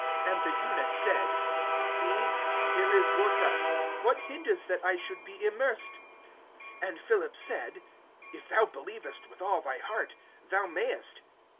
And the eunuch said: See, here is water; what hinders that I should be immersed? (37)[8:37]And Philip said: If thou believest with all thy heart, thou mayest.